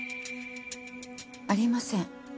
ありません。